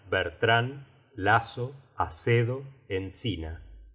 Bertran, Laso, Acedo, Encina.